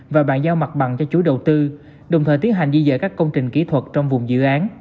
và bàn giao mặt bằng cho chủ đầu tư đồng thời tiến hành di dời các công trình kỹ thuật trong vùng dự án